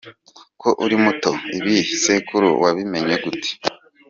Ko ukiri muto, ibi bisekuru wabimenye gute?.